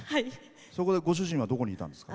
ご主人はどこにいたんですか？